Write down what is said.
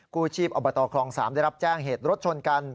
กู้ชีพอบตคลอง๓ได้รับแจ้งเหตุรถชนกัน